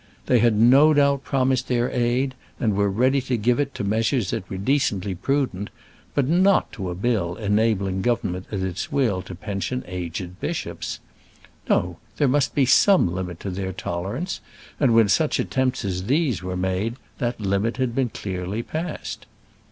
They had no doubt promised their aid, and were ready to give it to measures that were decently prudent; but not to a bill enabling government at its will to pension aged bishops! No; there must be some limit to their tolerance, and when such attempts as these were made that limit had been clearly passed.